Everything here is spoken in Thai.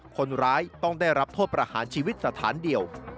คนร้ายต้องได้รับโทษประหารชีวิตสถานเดียว